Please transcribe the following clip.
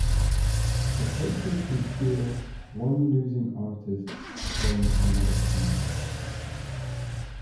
The coaches can each steal one losing artist from another team.